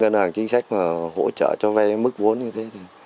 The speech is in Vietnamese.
ngân hàng chính sách mà hỗ trợ cho vay mức vốn như thế